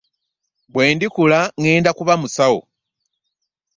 Bwe ndikula ŋŋenda kuba musawo.